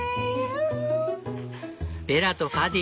ベラとパディ